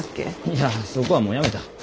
いやあそこはもう辞めた。